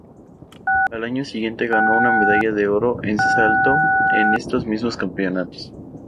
Al año siguiente ganó una medalla de oro en salto en estos mismos campeonatos.